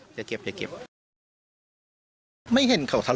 ตำรวจอีกหลายคนก็หนีออกจุดเกิดเหตุทันที